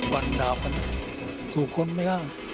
วันดาวนี้ถูกคลุมไหมครับ